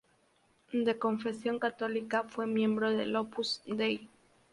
De confesión católica, fue miembro del Opus Dei.